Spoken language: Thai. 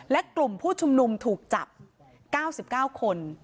และกลุ่มผู้ชุมนุมถูกจับ๙๙คน